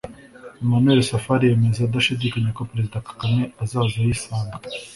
Emmanuel Safari yemeza adashidikanya ko Perezida Kagame azaza yisanga